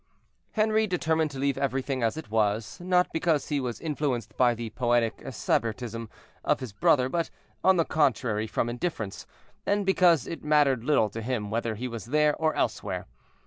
Henri determined to leave everything as it was, not because he was influenced by the poetic sybaritism of his brother, but, on the contrary, from indifference, and because it mattered little to him whether he was there or elsewhere.